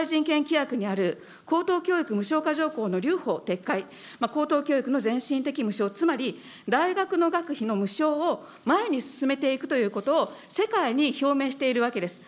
すでにわが国は国際にある高等教育無償化条項の留保撤回、高等教育の無償化、つまり大学の学費の無償を前に進めていくということを世界に表明しているわけです。